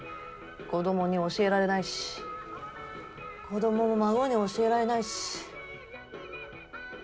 子供に教えられないし子供も孫に教えられないし。